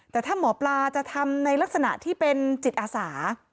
แต่ถ้าหมอปลาจะทำในลักษณะที่เป็นจิตอาสา